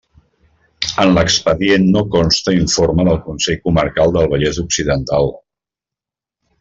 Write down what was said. En l'expedient no consta informe del Consell Comarcal del Vallès Occidental.